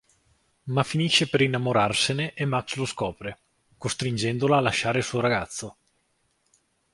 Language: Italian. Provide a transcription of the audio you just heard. Ma finisce per innamorarsene e Max lo scopre, costringendola a lasciare il suo ragazzo.